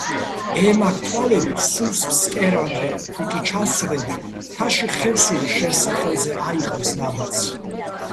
ე მაგ თვალებით სულს ფსკერამდე თუ კი ჩასწვდები, მთაში ხევსური შენს სახელზე აიყრის ნაბადს.